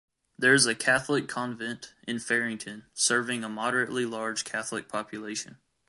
There is a Catholic convent in Farington, serving a moderately large Catholic population.